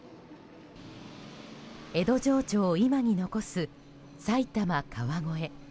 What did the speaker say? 江戸情緒を今に残す埼玉・川越。